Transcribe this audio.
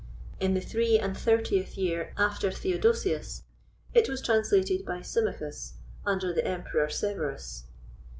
In the three and thirtieth year after Theodosius, it was translated by Symmachus, under the Emperor Severus.